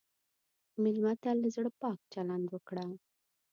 مېلمه ته له زړه پاک چلند وکړه.